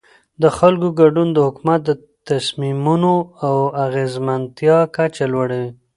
د خلکو ګډون د حکومت د تصمیمونو د اغیزمنتیا کچه لوړوي